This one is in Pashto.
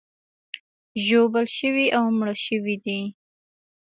ژوبل شوي او مړه شوي دي.